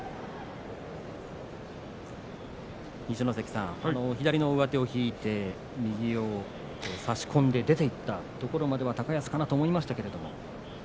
二所ノ関さん左の上手を引いて右を差し込んで出ていったところまでは高安かなと思いましたけれど。